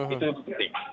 itu yang penting